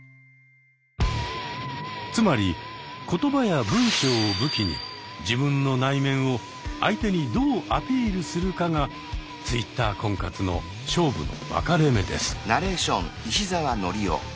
つまり言葉や文章を武器に「自分の内面」を相手にどうアピールするかがＴｗｉｔｔｅｒ婚活の勝負の分かれ目です。